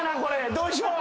どうしよう。